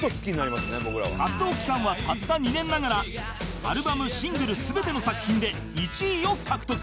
活動期間はたった２年ながらアルバムシングル全ての作品で１位を獲得